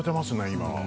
今。